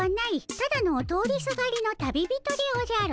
ただの通りすがりの旅人でおじゃる。